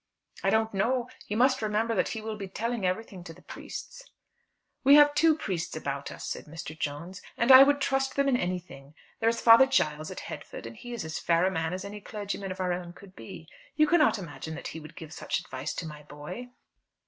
"I don't know. You must remember that he will be telling everything to the priests." "We have two priests about us," said Mr. Jones, "and I would trust them in anything. There is Father Giles at Headford, and he is as fair a man as any clergyman of our own could be. You cannot imagine that he would give such advice to my boy?"